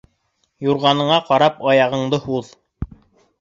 Юрғаныңа ҡарап аяғыңды һуҙ.